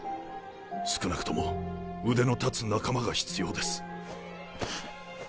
少なくとも腕の立つ仲間が必要です。